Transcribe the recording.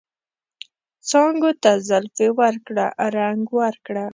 څانګو ته زلفې ورکړه ، رنګ ورکړه